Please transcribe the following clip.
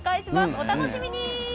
お楽しみに。